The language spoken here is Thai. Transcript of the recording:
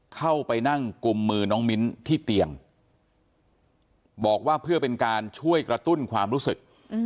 เข้าไปนั่งกุมมือน้องมิ้นที่เตียงบอกว่าเพื่อเป็นการช่วยกระตุ้นความรู้สึก